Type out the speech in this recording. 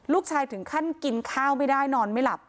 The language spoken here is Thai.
ถึงขั้นกินข้าวไม่ได้นอนไม่หลับ